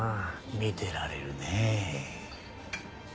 見てられるねえ。